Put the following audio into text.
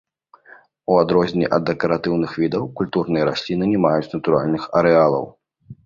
У адрозненне ад дэкаратыўных відаў, культурныя расліны не маюць натуральных арэалаў.